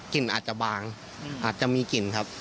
อาจจะบางอาจจะมีกลิ่นครับ